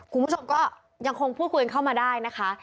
คุณผู้ชมก็ยังคงพูดคุยกันเข้ามาได้นะคะ